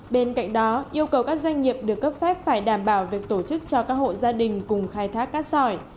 bên cạnh đó yêu cầu các doanh nghiệp được cấp phép phải đảm bảo việc tổ chức cho các hộ gia đình cùng khai thác cát sỏi